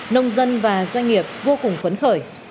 nông dân và doanh nghiệp vô cùng phấn khởi